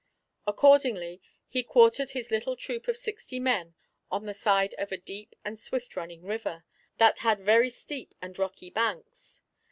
Accordingly, he quartered his little troop of sixty men on the side of a deep and swift running river, that had very steep and rocky banks.